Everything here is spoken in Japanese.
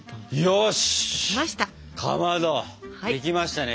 よしかまどできましたね